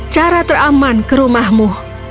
cara teraman ke rumahmu